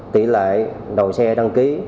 tỷ lệ đầu xe đăng ký